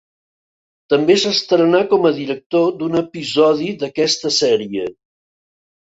També s'estrenà com a director d'un episodi d'aquesta sèrie.